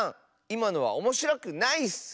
いまのはおもしろくないッス。